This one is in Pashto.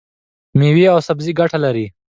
مېوې او سبزي ګټه لري.